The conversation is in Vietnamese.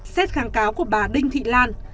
xét kháng cáo của bà đinh thị lan